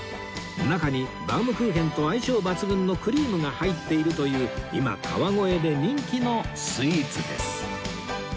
中にバウムクーヘンと相性抜群のクリームが入っているという今川越で人気のスイーツです